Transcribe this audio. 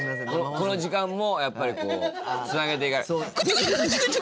この時間もやっぱりこうつなげてこちょ